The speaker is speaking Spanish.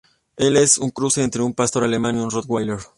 Él es un cruce entre un Pastor Alemán y un Rottweiler.